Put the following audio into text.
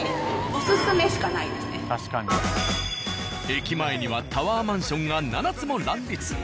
駅前にはタワーマンションが７つも乱立。